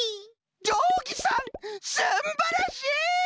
じょうぎさんすんばらしい！